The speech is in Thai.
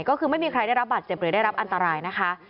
ก็คือไม่มีใครได้รับบาดเจ็บหรือได้รับอันตรายนะคะ